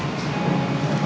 gak ada apa apa